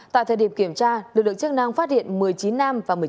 tại thời điểm kiểm tra lực lượng chức năng phát hiện một mươi chín nam và một mươi chín